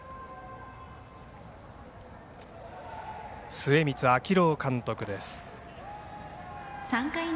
末光章朗監督です。